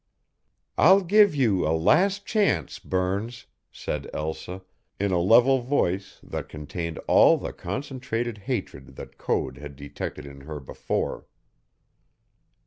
"I'll give you a last chance, Burns," said Elsa in a level voice that contained all the concentrated hatred that Code had detected in her before.